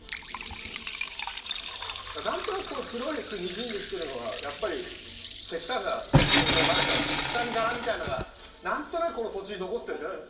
なんとなくこう黒くにじんできてるのはやっぱり石炭のなんか石炭ガラみたいなのがなんとなくこの土地に残ってるんでしょうね。